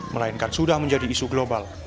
melainkan sudah menjadi isu global